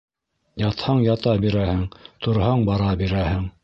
Ятһаң, ята бирәһең, торһаң, бара бирәһең.